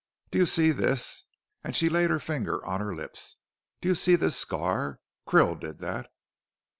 Do you see this," and she laid her finger on her lips; "do you see this scar? Krill did that."